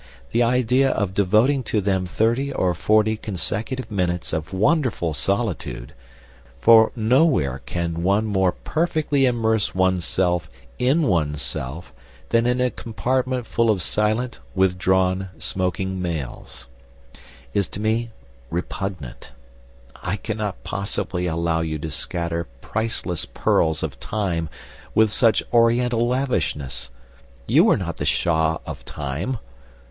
The idea of devoting to them thirty or forty consecutive minutes of wonderful solitude (for nowhere can one more perfectly immerse one's self in one's self than in a compartment full of silent, withdrawn, smoking males) is to me repugnant. I cannot possibly allow you to scatter priceless pearls of time with such Oriental lavishness. You are not the Shah of time.